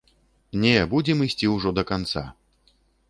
Не, будзем ісці ўжо да канца.